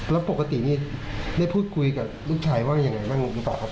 แล้วปกตินี้ได้พูดคุยกับลูกชายว่าอย่างไรบ้างครับ